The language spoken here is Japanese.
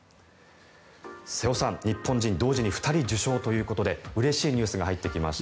瀬尾さん、日本人同時に２人受賞ということでうれしいニュースが入ってきました。